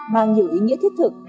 mang nhiều ý nghĩa thiết thực